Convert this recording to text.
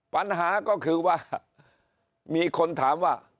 ปัญหาก็คือว่ามีคนถามว่า